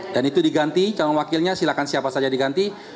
dan itu diganti calon wakilnya silahkan siapa saja diganti